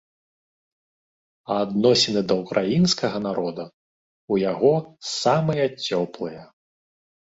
А адносіны да ўкраінскага народа ў яго самыя цёплыя.